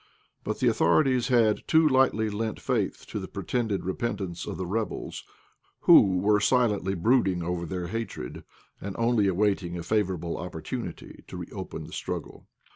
But the authorities had too lightly lent faith to the pretended repentance of the rebels, who were silently brooding over their hatred, and only awaiting a favourable opportunity to reopen the struggle.